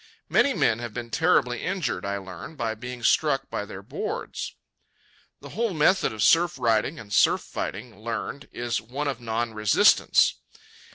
Many men have been terribly injured, I learn, by being struck by their boards. The whole method of surf riding and surf fighting, learned, is one of non resistance.